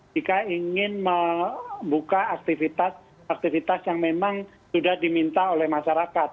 jika ingin membuka aktivitas aktivitas yang memang sudah diminta oleh masyarakat